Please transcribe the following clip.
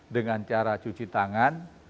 dengan cara cuci tangan